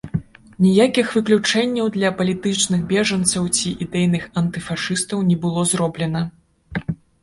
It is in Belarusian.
Ніякіх выключэнняў для палітычных бежанцаў ці ідэйных антыфашыстаў не было зроблена.